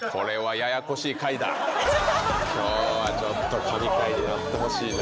今日はちょっと神回になってほしいな。